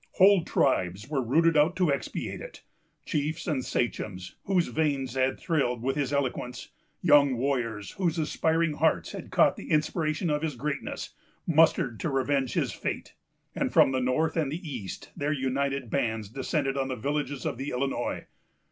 Whole tribes were rooted out to expiate it. Chiefs and sachems, whose veins had thrilled with his eloquence; young warriors, whose aspiring hearts had caught the inspiration of his greatness, mustered to revenge his fate; and, from the north and the east, their united bands descended on the villages of the Illinois.